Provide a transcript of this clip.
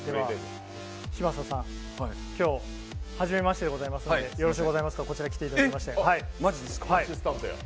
嶋佐さん、今日、初めてましてでございますので、よろしいですかこちらに来ていただいて。